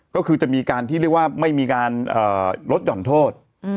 ก็คือจะมีการที่เรียกว่าไม่มีการลดหย่อนโทษ